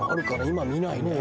今見ないね。